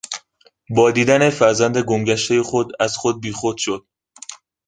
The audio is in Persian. با دیدن فرزند گم گشتهی خود از خود بیخود شد.